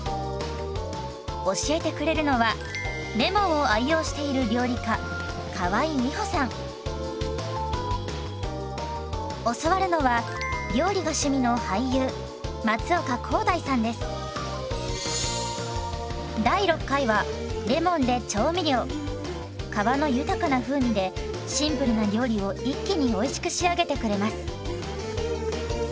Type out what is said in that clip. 教えてくれるのはレモンを愛用している教わるのは皮の豊かな風味でシンプルな料理を一気においしく仕上げてくれます。